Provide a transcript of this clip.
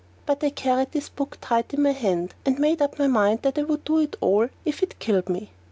But I carried this book tight in my hand, and I made up my mind that I would do it all if it killed me.